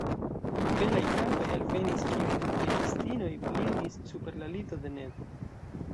Belaj kartoj alvenis, kiujn flegistinoj pinglis super la lito de Ned.